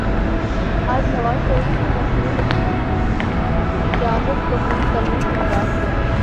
آج نواز شریف نے مشروط اجازت قبول کرنے سے انکار کیا ہے۔